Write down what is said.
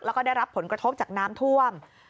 แล้วก็ได้รับผลกระทบจากน้ำท่วม